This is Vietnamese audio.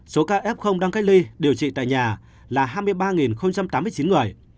số ca f đang cách ly điều trị tại nhà là hai mươi ba tám mươi chín người